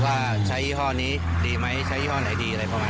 ว่าใช้เนี้ยนี้ดีไหมใช้ยี่ห้อไหนดีอะไรพอแม้นะครับ